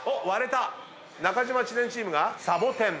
中島・知念チームがサボテン。